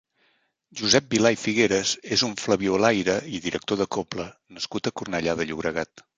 Josep Vilà i Figueras és un flabiolaire i director de cobla nascut a Cornellà de Llobregat.